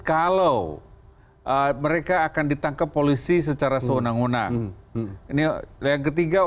kalau mereka akan ditangkap polisi secara seonang onang